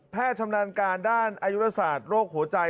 ชำนาญการด้านอายุรศาสตร์โรคหัวใจ